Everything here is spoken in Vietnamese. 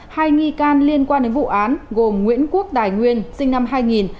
hai nghi can liên quan đến vụ án gồm nguyễn quốc tài nguyên sinh năm hai nghìn